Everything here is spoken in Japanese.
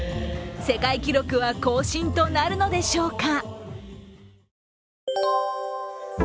世界記録は更新となるのでしょうか。